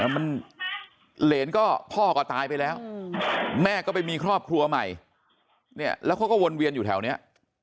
มันเหรนก็พ่อก็ตายไปแล้วแม่ก็ไปมีครอบครัวใหม่เนี่ยแล้วเขาก็วนเวียนอยู่แถวนี้